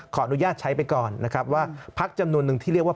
ขออนุญาตใช้ไปก่อนนะครับว่าพักจำนวนหนึ่งที่เรียกว่า